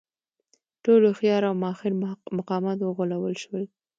ټول هوښیار او ماهر مقامات وغولول شول.